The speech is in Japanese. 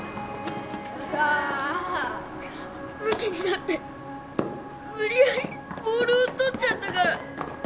よっしゃーむきになって無理やりボールを取っちゃったから。